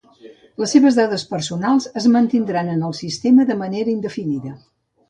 Les dades personals es mantindran en el sistema de manera indefinida.